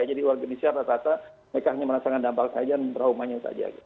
jadi warga indonesia rasa rasa mereka hanya merasakan dampak saja dan traumanya saja